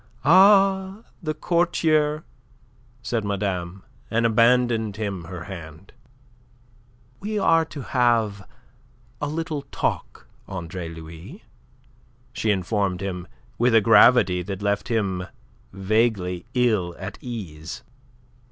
"Ah, the courtier!" said madame, and abandoned him her hand. "We are to have a little talk, Andre Louis," she informed him, with a gravity that left him vaguely ill at ease.